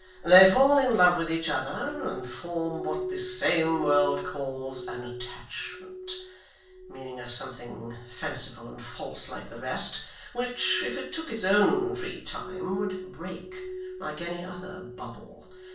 They fall in love with each other, and form what this same world calls an attachment; meaning a something fanciful and false like the rest, which, if it took its own free time, would break like any other bubble.